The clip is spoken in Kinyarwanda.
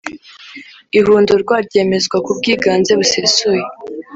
Ihundurwa ryemezwa ku bwiganze busesuye